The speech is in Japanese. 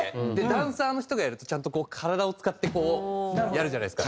ダンサーの人がやるとちゃんと体を使ってこうやるじゃないですか。